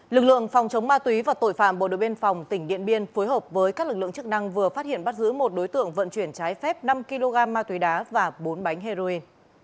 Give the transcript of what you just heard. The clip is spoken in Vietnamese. lực lượng phòng chống ma túy và tội phạm bộ đội biên phòng tỉnh điện biên phối hợp với các lực lượng chức năng vừa phát hiện bắt giữ một đối tượng vận chuyển trái phép năm kg ma túy đá và bốn bánh heroin